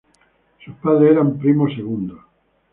Sus padres eran primos segundos.